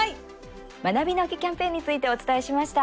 「まなびの木キャンペーン」についてお伝えしました。